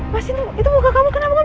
mas itu muka kamu kenapa